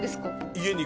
家に。